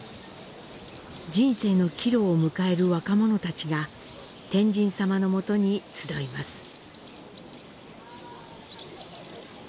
人生の岐路を迎える若者たちが、「天神さま」のもとに集います。